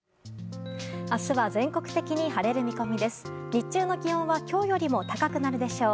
日中の気温は今日よりも高くなるでしょう。